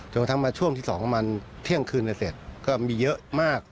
กระทั่งมาช่วงที่๒ประมาณเที่ยงคืนเสร็จก็มีเยอะมาก